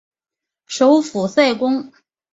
首府塞公。